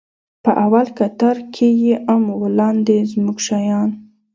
په اول کتار کښې يې ام و لاندې زموږ شيان.